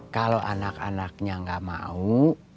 kalau anak anaknya nggak mau